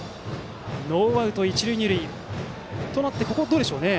ノーアウト一塁、二塁となってここはどうか。